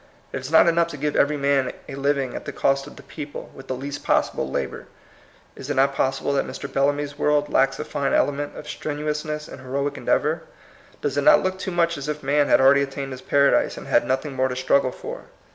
It is not enough to give every man a living at the cost of the people, with the least possible labor. Is it not possible that Mr. Bellamy's world lacks a fine ele ment of strenuousness and heroic endeavor? Does it not look too much as if man had already attained his Paradise and bad noth ing more to struggle for?